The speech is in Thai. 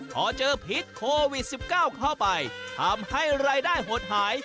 พอเจอพิษโควิด๑๙เข้าไปทำให้รายได้หดหาย